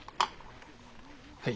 はい。